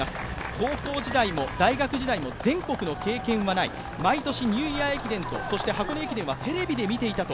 高校時代も大学時代も全国の経験はない、毎年ニューイヤー駅伝と箱根駅伝はテレビで見ていたと。